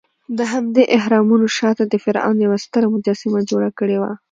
دهمدې اهرامونو شاته د فرعون یوه ستره مجسمه جوړه کړې وه.